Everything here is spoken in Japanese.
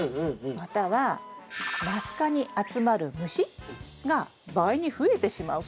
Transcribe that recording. またはナス科に集まる虫が倍に増えてしまうかもしれない。